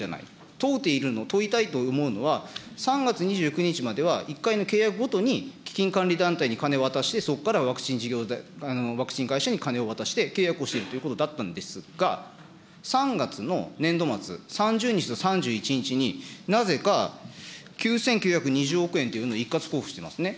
問うているのは、問いたいと思っているのは、３月２９日までは１回の契約ごとに基金管理団体に金を渡して、そこからワクチン事業、ワクチン会社に金を渡して契約をしているということだったんですが、３月の年度末、３０日と３１日に、なぜか９９２０億円というのを一括交付してますね。